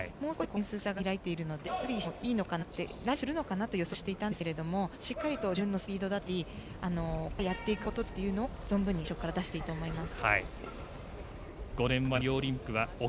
点差が開いているので、もう少しラリーするのかなと予測していたんですけれどもしっかりと自分のスピードやこれからやっていくことを存分に最初から出していたと思います。